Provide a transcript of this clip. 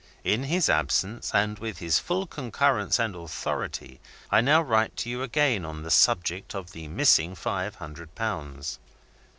In his absence (and with his full concurrence and authority), I now write to you again on the subject of the missing five hundred pounds.